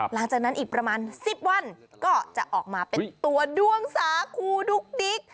หลังจากนั้นอีกประมาณ๑๐วันก็จะออกมาเป็นตัวดวงสาคูดุ๊กดิ๊ก